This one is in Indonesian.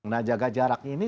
nah jaga jarak ini sudah dibuat